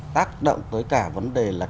tác động tới cả vấn đề là